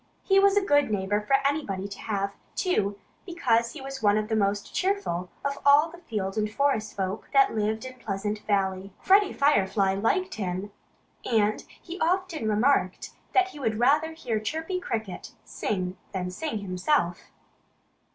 He was a good neighbor for anybody to have, too, because he was one of the most cheerful of all the field and forest folk that lived in Pleasant Valley. Freddie Firefly liked him. And he often remarked that he would rather hear Chirpy Cricket sing than sing himself.